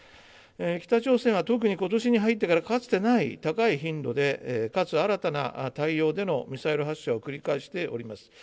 北朝鮮は特にことしに入ってから、かつてない高い頻度でかつ新たな態様でのミサイル発射を繰り返しております。